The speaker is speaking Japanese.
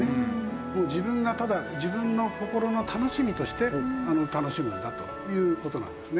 もう自分がただ自分の心の楽しみとして楽しむんだという事なんですね。